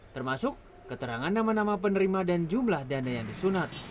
termasuk keterangan nama nama penerima dan jumlah dana yang disunat